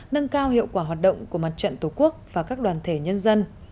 nâng cao hiệu quả hoạt động của mặt trận tổ quốc và các đoàn thể nhân dân